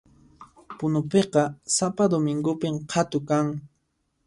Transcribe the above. Punupiqa sapa domingopin qhatu kan